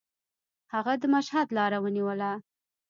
هغه د مشهد لاره ونیوله.